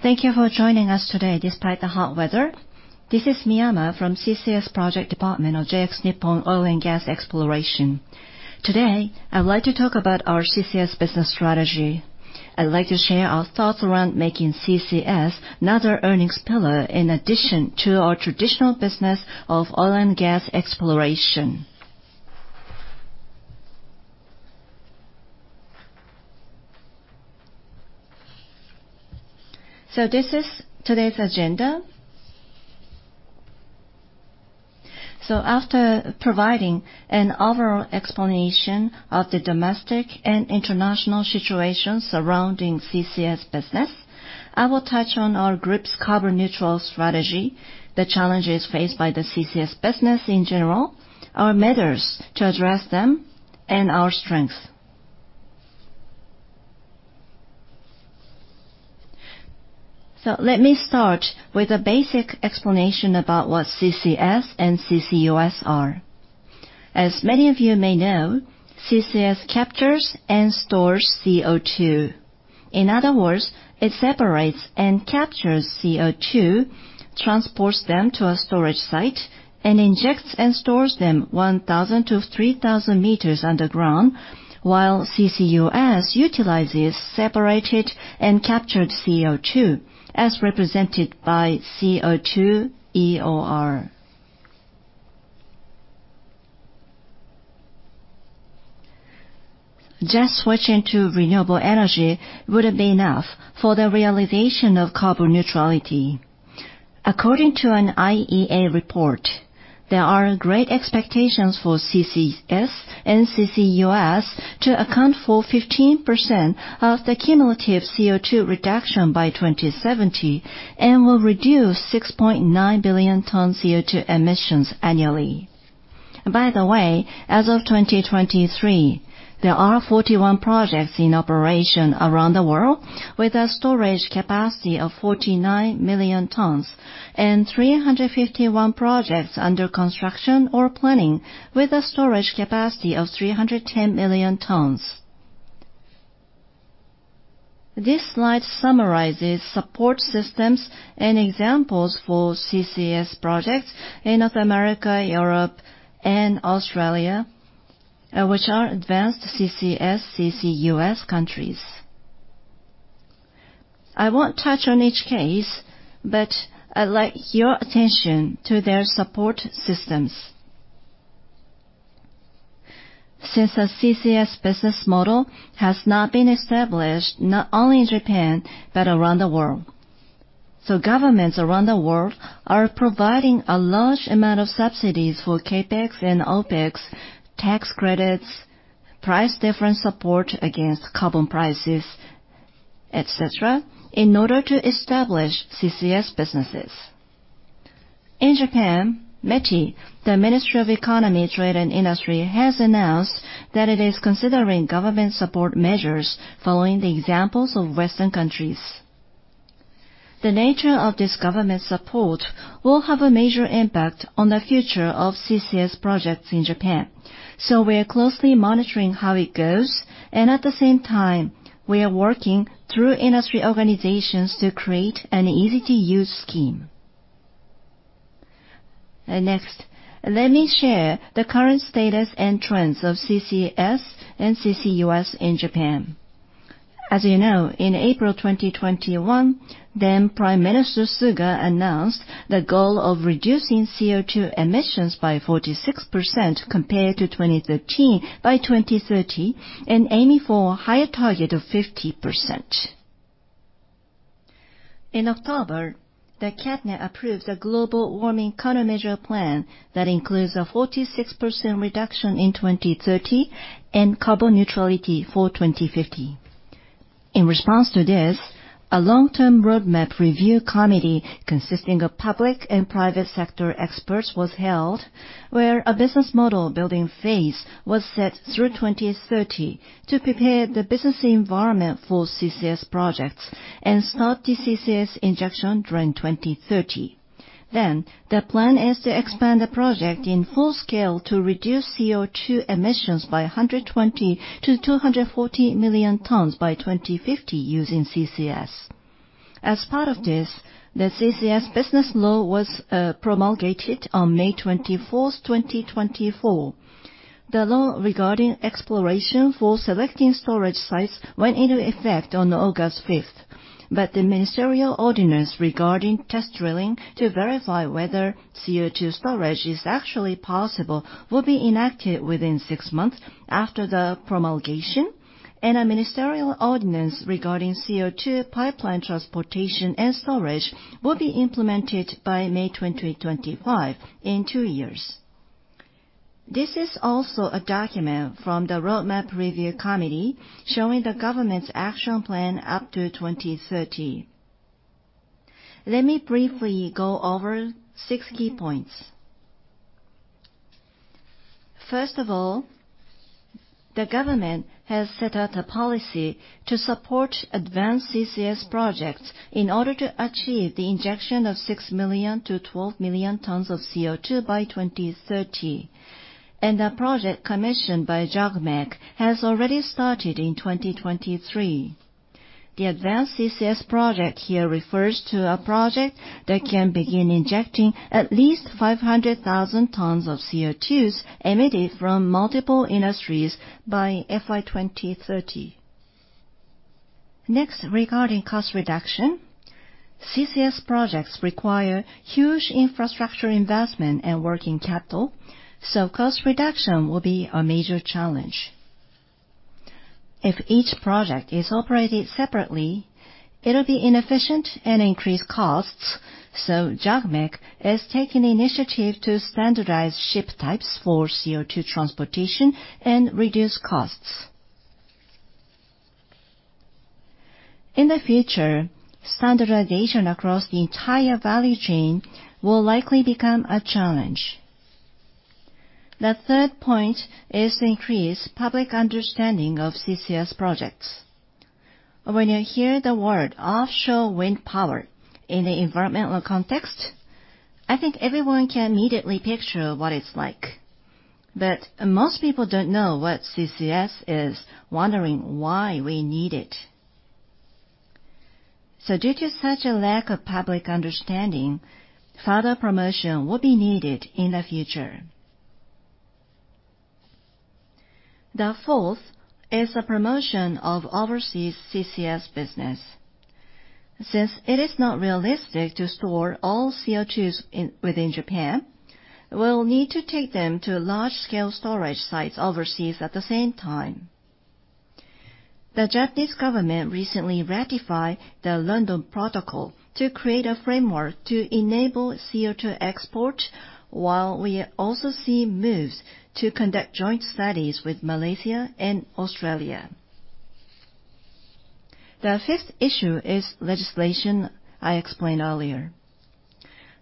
Thank you for joining us today despite the hot weather. This is Miyama from CCS Project Department of JX Nippon Oil and Gas Exploration. Today, I would like to talk about our CCS business strategy. I'd like to share our thoughts around making CCS another earnings pillar in addition to our traditional business of oil and gas exploration, so this is today's agenda, so after providing an overall explanation of the domestic and international situation surrounding CCS business, I will touch on our group's carbon neutral strategy, the challenges faced by the CCS business in general, our measures to address them, and our strengths, so let me start with a basic explanation about what CCS and CCUS are. As many of you may know, CCS captures and stores CO2. In other words, it separates and captures CO2, transports them to a storage site, and injects and stores them 1,000-3,000 m underground, while CCUS utilizes separated and captured CO2, as represented by CO2-EOR. Just switching to renewable energy wouldn't be enough for the realization of carbon neutrality. According to an IEA report, there are great expectations for CCS and CCUS to account for 15% of the cumulative CO2 reduction by 2070, and will reduce 6.9 billion tons CO2 emissions annually. By the way, as of 2023, there are 41 projects in operation around the world, with a storage capacity of 49 million tons, and 351 projects under construction or planning, with a storage capacity of 310 million tons. This slide summarizes support systems and examples for CCS projects in North America, Europe, and Australia, which are advanced CCS, CCUS countries. I won't touch on each case, but I'd like your attention to their support systems. Since a CCS business model has not been established, not only in Japan, but around the world, so governments around the world are providing a large amount of subsidies for CapEx and OpEx, tax credits, price difference support against carbon prices, et cetera, in order to establish CCS businesses. In Japan, METI, the Ministry of Economy, Trade and Industry, has announced that it is considering government support measures following the examples of Western countries. The nature of this government support will have a major impact on the future of CCS projects in Japan, so we are closely monitoring how it goes, and at the same time, we are working through industry organizations to create an easy-to-use scheme. Next, let me share the current status and trends of CCS and CCUS in Japan. As you know, in April 2021, then Prime Minister Suga announced the goal of reducing CO2 emissions by 46% compared to 2013 by 2030, and aiming for a higher target of 50%. In October, the Cabinet approved a global warming countermeasure plan that includes a 46% reduction in 2030 and carbon neutrality for 2050. In response to this, a long-term roadmap review committee, consisting of public and private sector experts, was held, where a business model building phase was set through 2030 to prepare the business environment for CCS projects and start the CCS injection during 2030. Then, the plan is to expand the project in full scale to reduce CO2 emissions by 120-240 million tons by 2050 using CCS. As part of this, the CCS business law was promulgated on May 24th, 2024. The law regarding exploration for selecting storage sites went into effect on August 5th, but the ministerial ordinance regarding test drilling to verify whether CO2 storage is actually possible will be enacted within six months after the promulgation, and a ministerial ordinance regarding CO2 pipeline transportation and storage will be implemented by May 2025, in two years. This is also a document from the Roadmap Review Committee, showing the government's action plan up to 2030. Let me briefly go over six key points. First of all, the government has set out a policy to support advanced CCS projects in order to achieve the injection of 6 million-12 million tons of CO2 by 2030, and a project commissioned by JOGMEC has already started in 2023. The advanced CCS project here refers to a project that can begin injecting at least 500,000 tons of CO2 emitted from multiple industries by FY 2030. Next, regarding cost reduction, CCS projects require huge infrastructure investment and working capital, so cost reduction will be a major challenge. If each project is operated separately, it'll be inefficient and increase costs, so JOGMEC is taking the initiative to standardize ship types for CO2 transportation and reduce costs. In the future, standardization across the entire value chain will likely become a challenge. The third point is to increase public understanding of CCS projects. When you hear the word offshore wind power in the environmental context, I think everyone can immediately picture what it's like. But most people don't know what CCS is, wondering why we need it. So due to such a lack of public understanding, further promotion will be needed in the future. The fourth is a promotion of overseas CCS business. Since it is not realistic to store all CO2s within Japan, we'll need to take them to large-scale storage sites overseas at the same time. The Japanese government recently ratified the London Protocol to create a framework to enable CO2 export, while we also see moves to conduct joint studies with Malaysia and Australia. The fifth issue is legislation I explained earlier.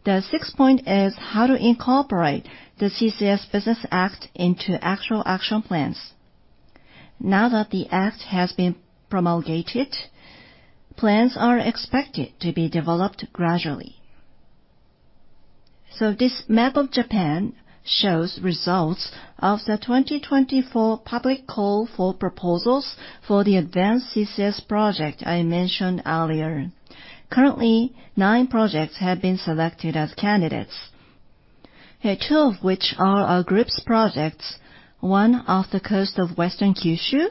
The sixth point is how to incorporate the CCS Business Act into actual action plans. Now that the act has been promulgated, plans are expected to be developed gradually, so this map of Japan shows results of the 2024 public call for proposals for the advanced CCS project I mentioned earlier. Currently, nine projects have been selected as candidates. Two of which are our group's projects, one off the coast of Western Kyushu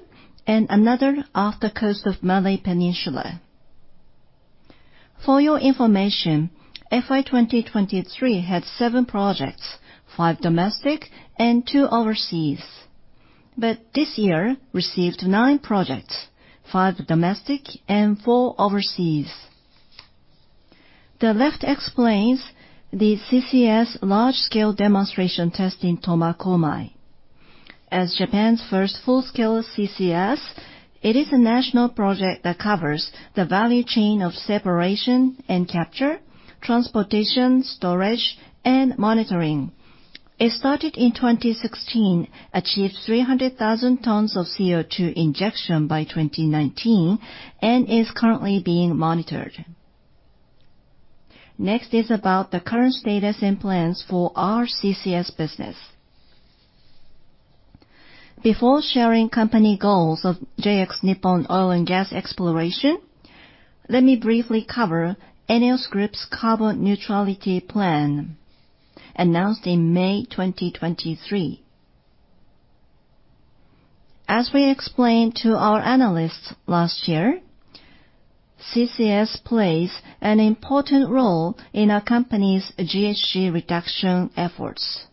and another off the coast of Malay Peninsula. For your information, FY 2023 had seven projects, five domestic and two overseas, but this year received nine projects, five domestic and four overseas. The left explains the CCS large-scale demonstration test in Tomakomai. As Japan's first full-scale CCS, it is a national project that covers the value chain of separation and capture, transportation, storage, and monitoring. It started in 2016, achieved 300,000 tons of CO2 injection by 2019, and is currently being monitored. Next is about the current status and plans for our CCS business. Before sharing company goals of JX Nippon Oil & Gas Exploration, let me briefly cover ENEOS Group's carbon neutrality plan, announced in May 2023. As we explained to our analysts last year, CCS plays an important role in our company's GHG reduction efforts.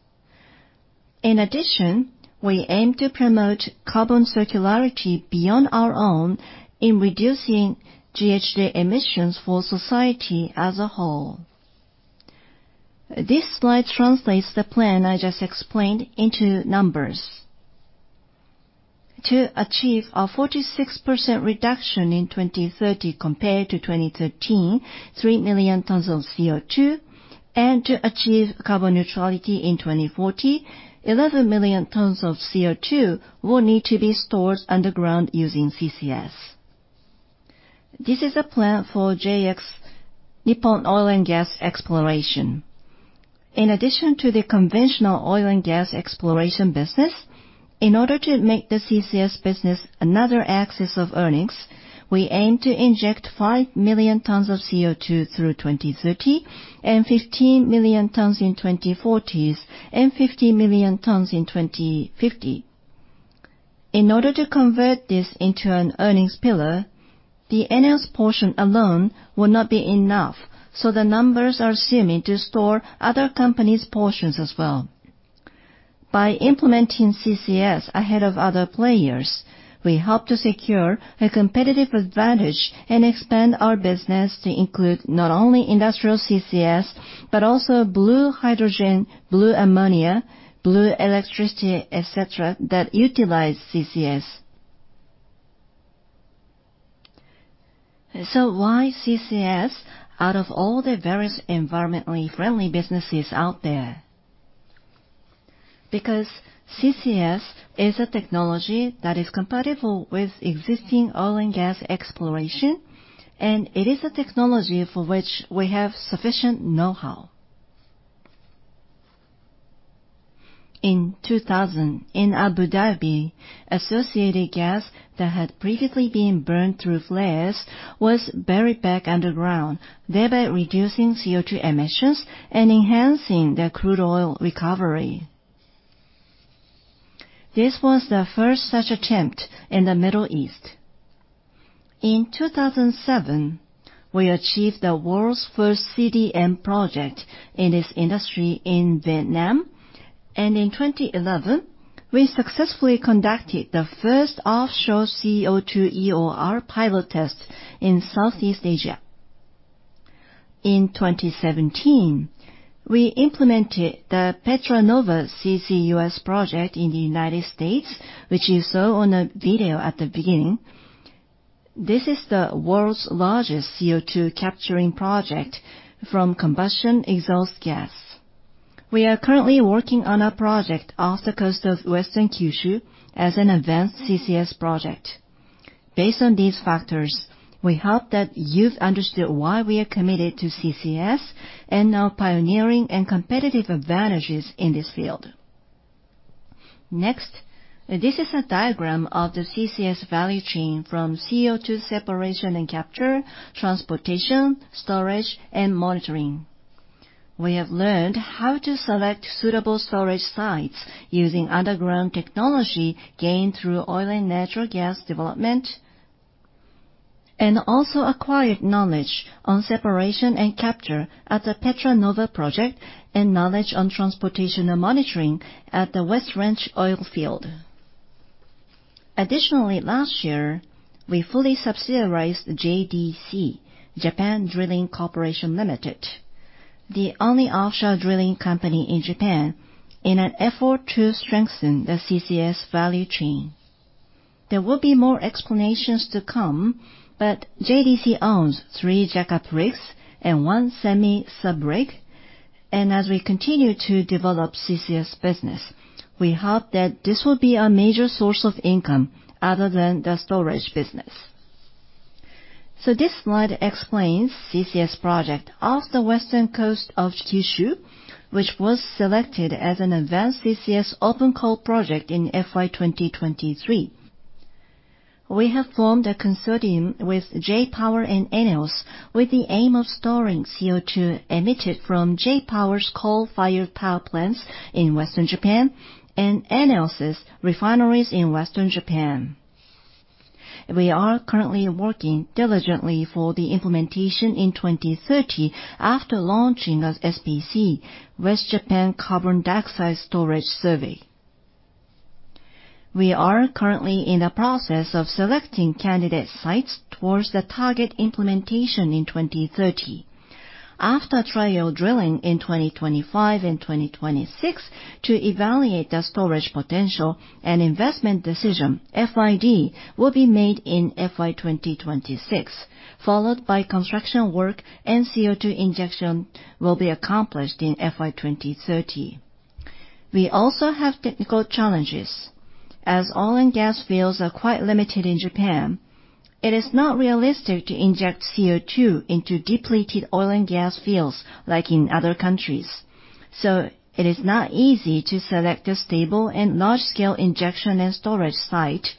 In addition, we aim to promote carbon circularity beyond our own in reducing GHG emissions for society as a whole. This slide translates the plan I just explained into numbers. To achieve a 46% reduction in 2030 compared to 2013, 3 million tons of CO2, and to achieve carbon neutrality in 2040, 11 million tons of CO2 will need to be stored underground using CCS. This is a plan for JX Nippon Oil & Gas Exploration. In addition to the conventional oil and gas exploration business, in order to make the CCS business another axis of earnings, we aim to inject 5 million tons of CO2 through 2030, and 15 million tons in 2040s, and 50 million tons in 2050. In order to convert this into an earnings pillar, the ENEOS portion alone will not be enough, so the numbers are assuming to store other companies' portions as well. By implementing CCS ahead of other players, we hope to secure a competitive advantage and expand our business to include not only industrial CCS, but also blue hydrogen, blue ammonia, blue electricity, et cetera, that utilize CCS. So why CCS out of all the various environmentally friendly businesses out there? Because CCS is a technology that is compatible with existing oil and gas exploration, and it is a technology for which we have sufficient know-how. In 2000, in Abu Dhabi, associated gas that had previously been burned through flares was buried back underground, thereby reducing CO2 emissions and enhancing the crude oil recovery. This was the first such attempt in the Middle East. In 2007, we achieved the world's first CDM project in this industry in Vietnam, and in 2011, we successfully conducted the first offshore CO2-EOR pilot test in Southeast Asia. In 2017, we implemented the Petra Nova CCUS project in the United States, which you saw on a video at the beginning. This is the world's largest CO2 capturing project from combustion exhaust gas. We are currently working on a project off the coast of Western Kyushu as an advanced CCS project. Based on these factors, we hope that you've understood why we are committed to CCS, and our pioneering and competitive advantages in this field. Next, this is a diagram of the CCS value chain from CO2 separation and capture, transportation, storage, and monitoring. We have learned how to select suitable storage sites using underground technology gained through oil and natural gas development, and also acquired knowledge on separation and capture at the Petra Nova project, and knowledge on transportation and monitoring at the West Ranch oil field. Additionally, last year, we fully subsidized JDC, Japan Drilling Co., Ltd., the only offshore drilling company in Japan, in an effort to strengthen the CCS value chain. There will be more explanations to come, but JDC owns three jackup rigs and one semi-sub rig, and as we continue to develop CCS business, we hope that this will be a major source of income other than the storage business. So this slide explains CCS project off Western Kyushu, which was selected as an advanced CCS open call project in FY 2023. We have formed a consortium with J-POWER and ENEOS, with the aim of storing CO2 emitted from J-POWER's coal-fired power plants in Western Japan and ENEOS' refineries in Western Japan. We are currently working diligently for the implementation in 2030 after launching of the West Japan Carbon Dioxide Storage Survey. We are currently in the process of selecting candidate sites towards the target implementation in 2030. After trial drilling in 2025 and 2026 to evaluate the storage potential and investment decision, FID will be made in FY 2026, followed by construction work, and CO2 injection will be accomplished in FY 2030 We also have technical challenges. As oil and gas fields are quite limited in Japan, it is not realistic to inject CO2 into depleted oil and gas fields like in other countries, so it is not easy to select a stable and large-scale injection and storage site,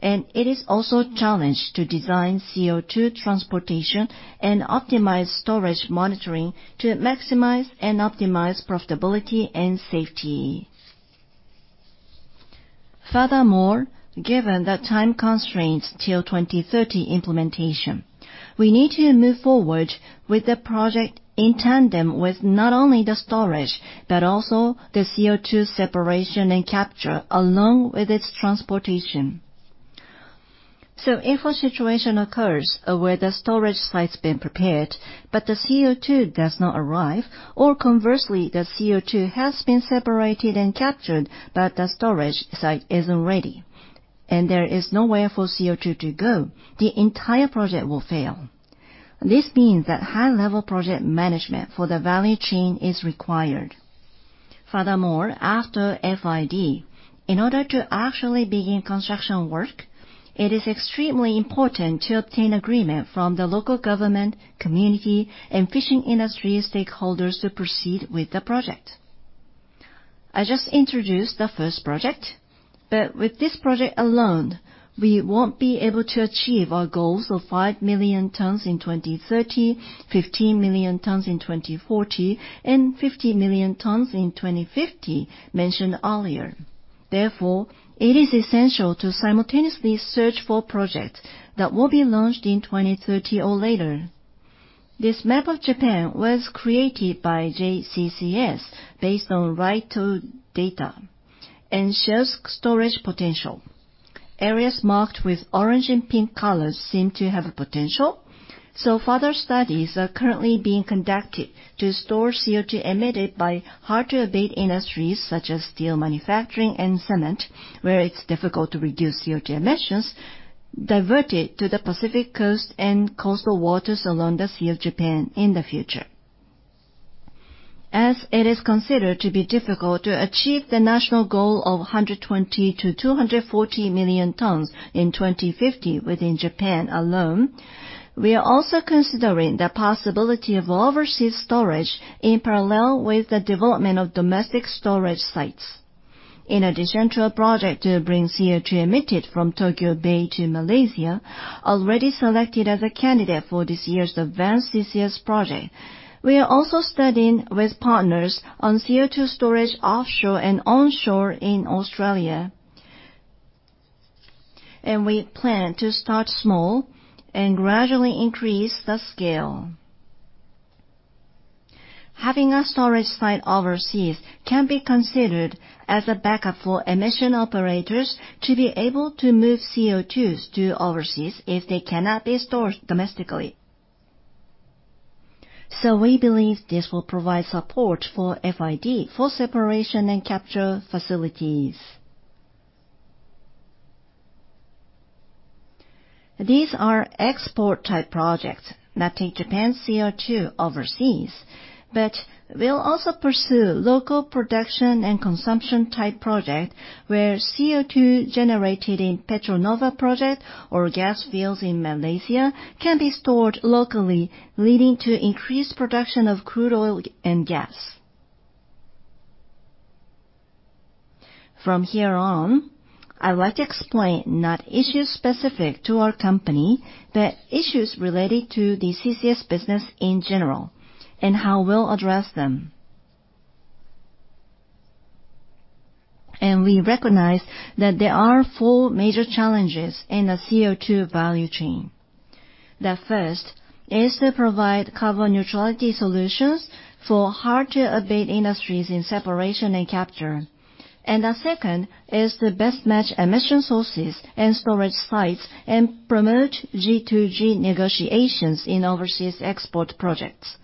and it is also a challenge to design CO2 transportation and optimize storage monitoring to maximize and optimize profitability and safety. Furthermore, given the time constraints till 2030 implementation, we need to move forward with the project in tandem with not only the storage, but also the CO2 separation and capture, along with its transportation. So if a situation occurs where the storage site's been prepared, but the CO2 does not arrive, or conversely, the CO2 has been separated and captured, but the storage site isn't ready, and there is nowhere for CO2 to go, the entire project will fail. This means that high-level project management for the value chain is required. Furthermore, after FID, in order to actually begin construction work, it is extremely important to obtain agreement from the local government, community, and fishing industry stakeholders to proceed with the project. I just introduced the first project, but with this project alone, we won't be able to achieve our goals of 5 million tons in 2030, 15 million tons in 2040, and 50 million tons in 2050 mentioned earlier. Therefore, it is essential to simultaneously search for projects that will be launched in 2030 or later. This map of Japan was created by JCCS based on RITE data and shows storage potential. Areas marked with orange and pink colors seem to have a potential, so further studies are currently being conducted to store CO2 emitted by hard-to-abate industries such as steel manufacturing and cement, where it's difficult to reduce CO2 emissions, diverted to the Pacific Coast and coastal waters along the Sea of Japan in the future. As it is considered to be difficult to achieve the national goal of 120-240 million tons in 2050 within Japan alone, we are also considering the possibility of overseas storage in parallel with the development of domestic storage sites. In addition to a project to bring CO2 emitted from Tokyo Bay to Malaysia, already selected as a candidate for this year's advanced CCS project, we are also studying with partners on CO2 storage offshore and onshore in Australia. And we plan to start small and gradually increase the scale. Having a storage site overseas can be considered as a backup for emission operators to be able to move CO2s to overseas if they cannot be stored domestically. So we believe this will provide support for FID for separation and capture facilities. These are export-type projects, not take Japan's CO2 overseas, but we'll also pursue local production and consumption-type project, where CO2 generated in Petra Nova project or gas fields in Malaysia can be stored locally, leading to increased production of crude oil and gas. From here on, I'd like to explain not issues specific to our company, but issues related to the CCS business in general, and how we'll address them, and we recognize that there are four major challenges in the CO2 value chain. The first is to provide carbon neutrality solutions for hard-to-abate industries in separation and capture, and the second is to best match emission sources and storage sites, and promote G2G negotiations in overseas export projects.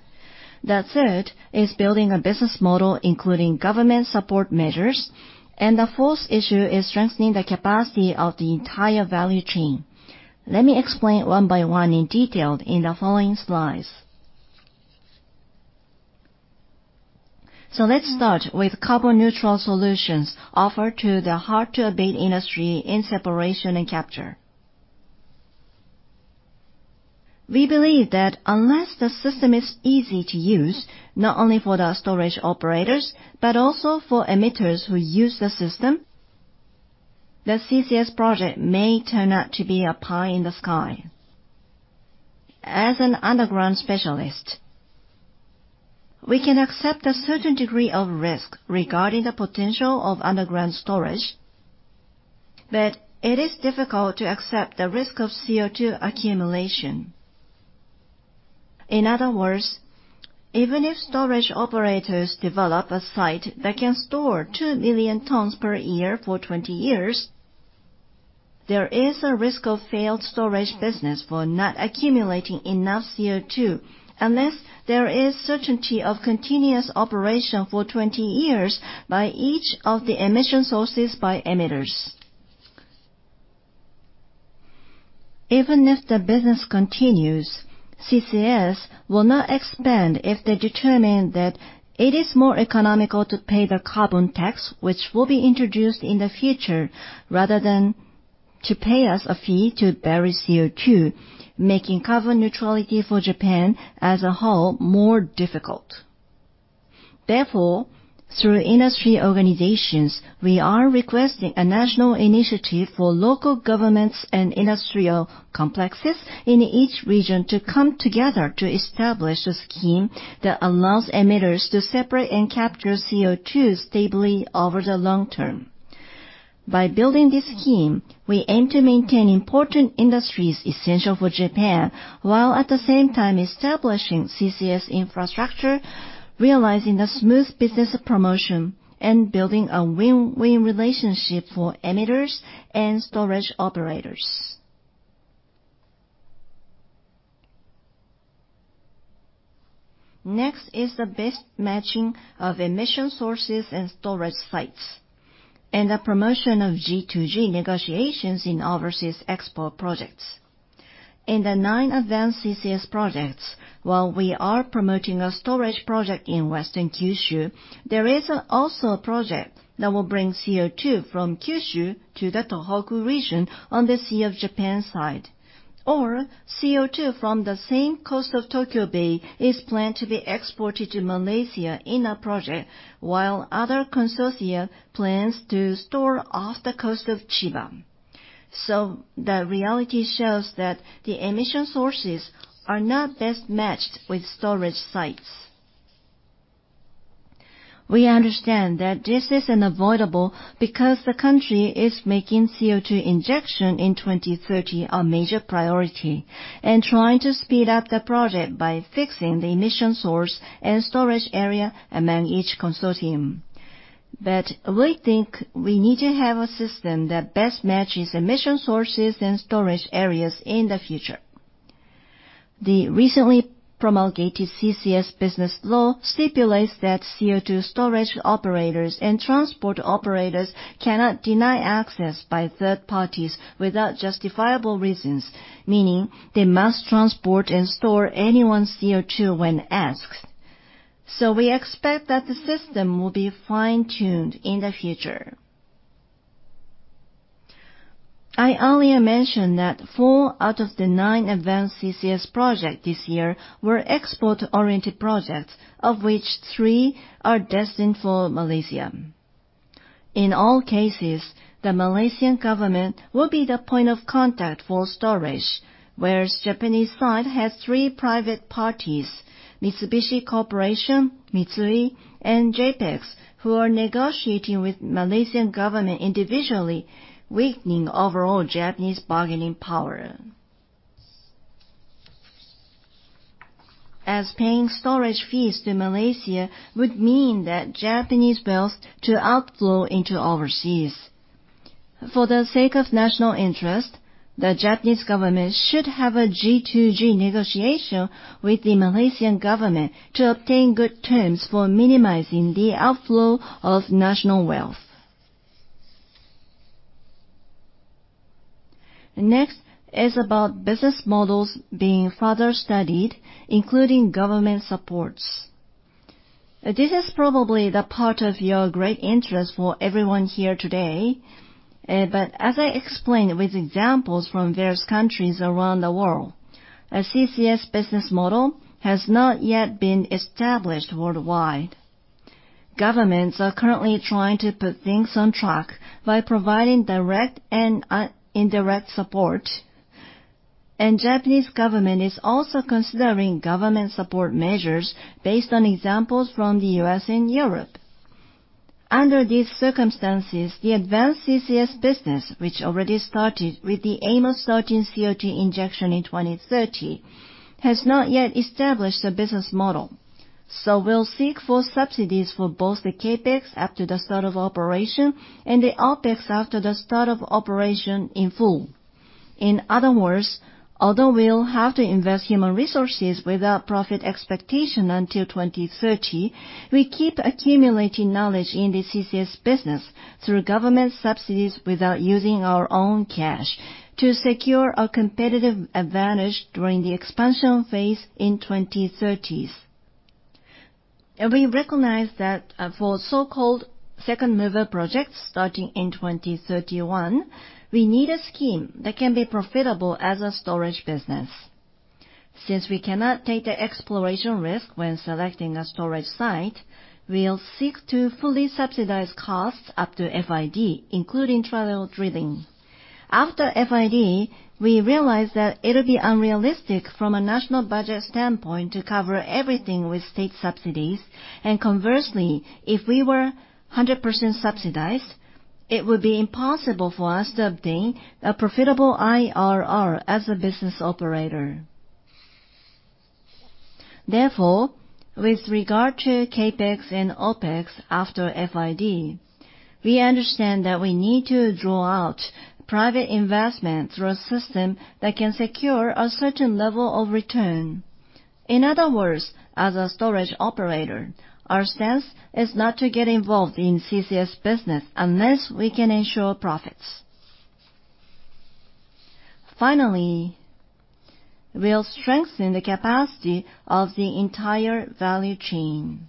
The third is building a business model, including government support measures, and the fourth issue is strengthening the capacity of the entire value chain. Let me explain one by one in detail in the following slides, so let's start with carbon neutral solutions offered to the hard-to-abate industry in separation and capture. We believe that unless the system is easy to use, not only for the storage operators, but also for emitters who use the system, the CCS project may turn out to be a pie in the sky. As an underground specialist, we can accept a certain degree of risk regarding the potential of underground storage, but it is difficult to accept the risk of CO2 accumulation. In other words, even if storage operators develop a site that can store 2 million tons per year for 20 years, there is a risk of failed storage business for not accumulating enough CO2, unless there is certainty of continuous operation for 20 years by each of the emission sources by emitters. Even if the business continues, CCS will not expand if they determine that it is more economical to pay the carbon tax, which will be introduced in the future, rather than to pay us a fee to bury CO2, making carbon neutrality for Japan as a whole more difficult. Therefore, through industry organizations, we are requesting a national initiative for local governments and industrial complexes in each region to come together to establish a scheme that allows emitters to separate and capture CO2 stably over the long term. By building this scheme, we aim to maintain important industries essential for Japan, while at the same time establishing CCS infrastructure, realizing the smooth business promotion, and building a win-win relationship for emitters and storage operators. Next is the best matching of emission sources and storage sites, and the promotion of G2G negotiations in overseas export projects. In the nine advanced CCS projects, while we are promoting a storage project in Western Kyushu, there is also a project that will bring CO2 from Kyushu to the Tohoku region on the Sea of Japan side, or CO2 from the same coast of Tokyo Bay is planned to be exported to Malaysia in a project, while other consortia plans to store off the coast of Chiba, so the reality shows that the emission sources are not best matched with storage sites. We understand that this is unavoidable, because the country is making CO2 injection in 2030 a major priority, and trying to speed up the project by fixing the emission source and storage area among each consortium, but we think we need to have a system that best matches emission sources and storage areas in the future. The recently promulgated CCS business law stipulates that CO2 storage operators and transport operators cannot deny access by third parties without justifiable reasons, meaning they must transport and store anyone's CO2 when asked, so we expect that the system will be fine-tuned in the future. I earlier mentioned that four out of the nine advanced CCS projects this year were export-oriented projects, of which three are destined for Malaysia. In all cases, the Malaysian government will be the point of contact for storage, whereas Japanese side has three private parties, Mitsubishi Corporation, Mitsui, and JAPEX, who are negotiating with Malaysian government individually, weakening overall Japanese bargaining power. As paying storage fees to Malaysia would mean that Japanese wealth to outflow into overseas. For the sake of national interest, the Japanese government should have a G2G negotiation with the Malaysian government to obtain good terms for minimizing the outflow of national wealth. Next is about business models being further studied, including government supports. This is probably the part of your great interest for everyone here today, but as I explained with examples from various countries around the world, a CCS business model has not yet been established worldwide. Governments are currently trying to put things on track by providing direct and, indirect support, and Japanese government is also considering government support measures based on examples from the U.S. and Europe. Under these circumstances, the advanced CCS business, which already started with the aim of starting CO2 injection in 2030, has not yet established a business model. We'll seek for subsidies for both the CapEx up to the start of operation and the OpEx after the start of operation in full. In other words, although we'll have to invest human resources without profit expectation until 2030, we keep accumulating knowledge in the CCS business through government subsidies without using our own cash to secure a competitive advantage during the expansion phase in the 2030s. We recognize that, for so-called second mover projects starting in 2031, we need a scheme that can be profitable as a storage business. Since we cannot take the exploration risk when selecting a storage site, we'll seek to fully subsidize costs up to FID, including trial drilling. After FID, we realize that it'll be unrealistic from a national budget standpoint to cover everything with state subsidies, and conversely, if we were 100% subsidized, it would be impossible for us to obtain a profitable IRR as a business operator. Therefore, with regard to CapEx and OpEx after FID, we understand that we need to draw out private investment through a system that can secure a certain level of return. In other words, as a storage operator, our stance is not to get involved in CCS business unless we can ensure profits. Finally, we'll strengthen the capacity of the entire value chain.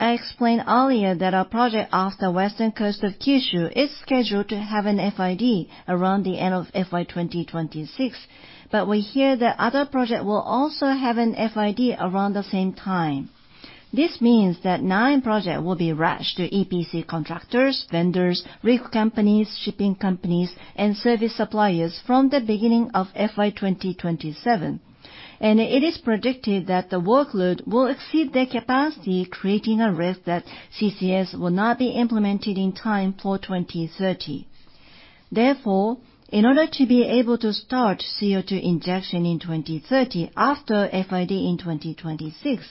I explained earlier that our project off the western coast of Kyushu is scheduled to have an FID around the end of FY 2026, but we hear that other project will also have an FID around the same time. This means that nine projects will be rushed to EPC contractors, vendors, rig companies, shipping companies, and service suppliers from the beginning of FY 2027. It is predicted that the workload will exceed their capacity, creating a risk that CCS will not be implemented in time for 2030. Therefore, in order to be able to start CO2 injection in 2030, after FID in 2026,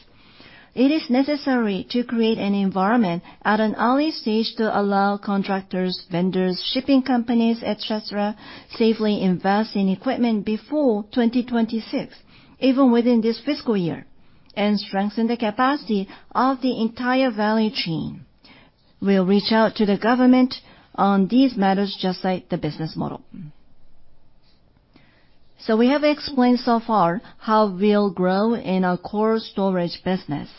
it is necessary to create an environment at an early stage to allow contractors, vendors, shipping companies, et cetera, safely invest in equipment before 2026, even within this fiscal year, and strengthen the capacity of the entire value chain. We'll reach out to the government on these matters, just like the business model. We have explained so far how we'll grow in our core storage business.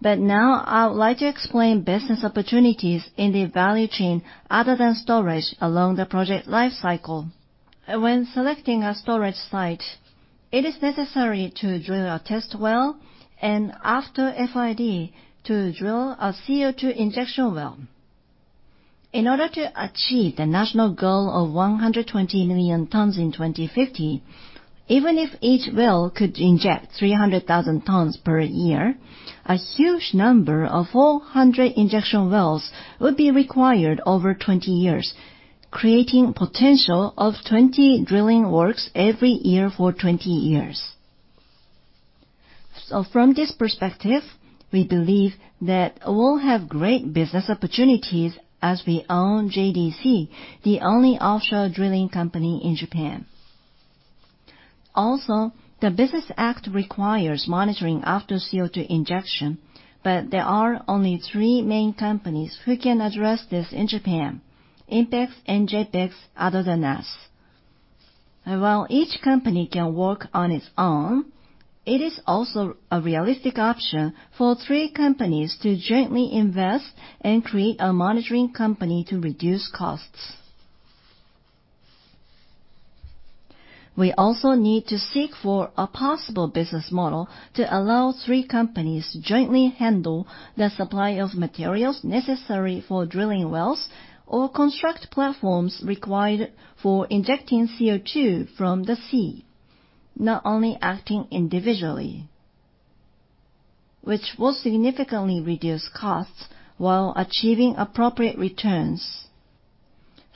But now I would like to explain business opportunities in the value chain other than storage along the project life cycle. When selecting a storage site, it is necessary to drill a test well, and after FID, to drill a CO2 injection well. In order to achieve the national goal of 120 million tons in 2050, even if each well could inject 300,000 tons per year, a huge number of 400 injection wells would be required over 20 years, creating potential of 20 drilling works every year for 20 years. So from this perspective, we believe that we'll have great business opportunities as we own JDC, the only offshore drilling company in Japan. Also, the Business Act requires monitoring after CO2 injection, but there are only three main companies who can address this in Japan, INPEX and JAPEX, other than us. While each company can work on its own, it is also a realistic option for three companies to jointly invest and create a monitoring company to reduce costs. We also need to seek for a possible business model to allow three companies to jointly handle the supply of materials necessary for drilling wells or construct platforms required for injecting CO2 from the sea, not only acting individually, which will significantly reduce costs while achieving appropriate returns.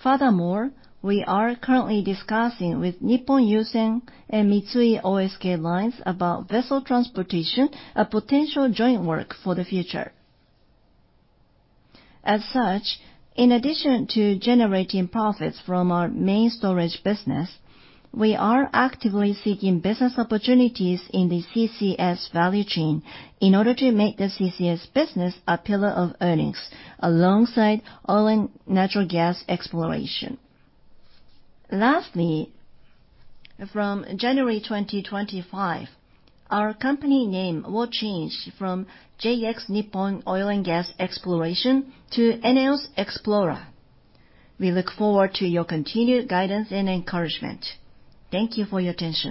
Furthermore, we are currently discussing with Nippon Yusen and Mitsui O.S.K. Lines about vessel transportation, a potential joint work for the future. As such, in addition to generating profits from our main storage business, we are actively seeking business opportunities in the CCS value chain in order to make the CCS business a pillar of earnings, alongside oil and natural gas exploration. Lastly, from January 2025, our company name will change from JX Nippon Oil and Gas Exploration to ENEOS Xplora. We look forward to your continued guidance and encouragement. Thank you for your attention.